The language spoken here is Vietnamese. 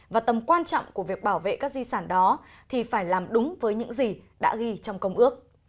và tầm quan trọng của việc bảo vệ các di sản đó thì phải làm đúng với những gì đã ghi trong công ước